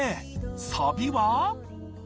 サビは？